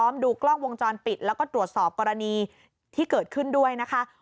ดูกล้องวงจรปิดแล้วก็ตรวจสอบกรณีที่เกิดขึ้นด้วยนะคะ